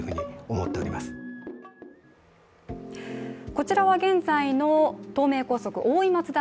こちらは現在の東名高速・大井松田